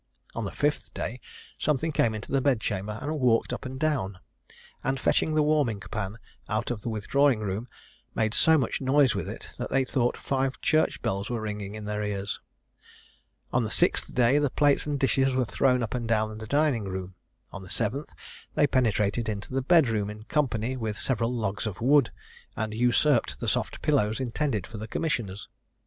On the fifth day, something came into the bedchamber and walked up and down, and fetching the warming pan out of the withdrawing room, made so much noise with it that they thought five church bells were ringing in their ears. On the sixth day, the plates and dishes were thrown up and down the dining room. On the seventh, they penetrated into the bed room in company with several logs of wood, and usurped the soft pillows intended for the commissioners.